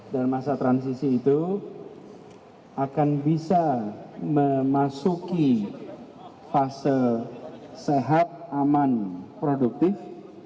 dan masa transisi itu akan bisa memasuki fase sehat aman produktif